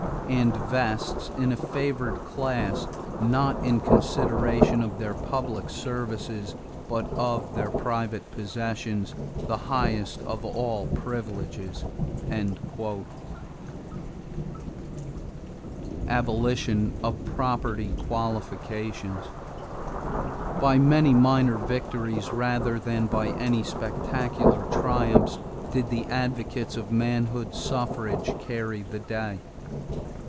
and vests in a favored class, not in consideration of their public services but of their private possessions, the highest of all privileges." =Abolition of Property Qualifications.= By many minor victories rather than by any spectacular triumphs did the advocates of manhood suffrage carry the day.